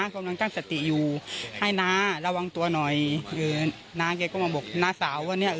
กำลังตั้งสติอยู่ให้น้าระวังตัวหน่อยคือน้าแกก็มาบอกน้าสาวว่าเนี่ย